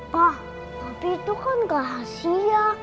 pa tapi itu kan kelasia